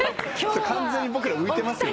完全に僕ら浮いてますよね。